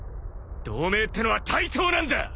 同盟ってのは対等なんだ！